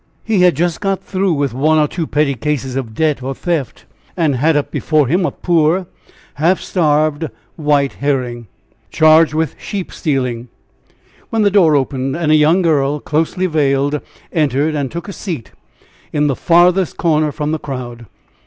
He had just got through with one or two petty cases of debt or theft, and had up before him a poor, half starved "White Herring," charged with sheep stealing, when the door opened and a young girl, closely veiled, entered and took a seat in the farthest corner from the crowd.